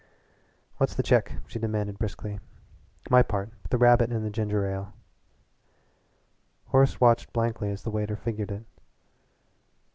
"What's the check?" she demanded briskly "My part the rabbit and the ginger ale." Horace watched blankly as the waiter figured it.